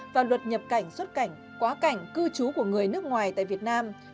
quá cảnh cư trú của người nước ngoài tại việt nam